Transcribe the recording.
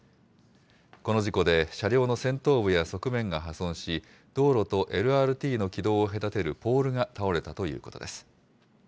この事故で、車両の先頭部や側面が破損し、道路とＬＲＴの軌道を隔てるポールが倒れたということです。